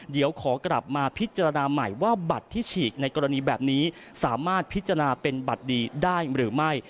เดี๋ยวขอกลับมาพิจารณาใหม่ว่าบัตรที่ฉีกในกรณีแบบนี้สามารถพิจารณาเป็นบัตรดีได้หรือไม่